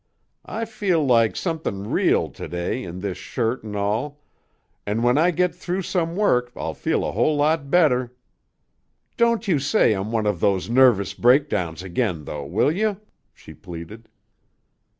I feel like somethin' real to day in this shirt an' all, an' when I get through some work I'll feel a whole lot better. Don't you say I'm one of those nervous breakdowns again, though, will you?" she pleaded.